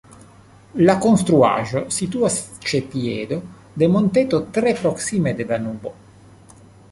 La konstruaĵo situas ĉe piedo de monteto tre proksime de Danubo.